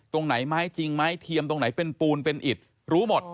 ตรงไหนไม้จริงไม้เทียมตรงไหนเป็นปูนเป็นอิดรู้หมด